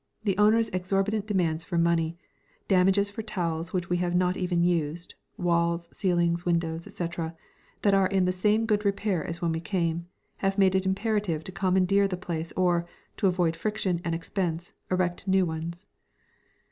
The owners' exorbitant demands for money damages for towels which we have not even used, walls, ceilings, windows, etc., that are in the same good repair as when we came have made it imperative to commandeer the place or, to avoid friction and expense, erect new ones.